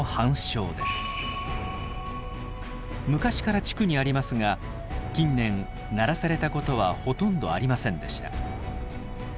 昔から地区にありますが近年鳴らされたことはほとんどありませんでした。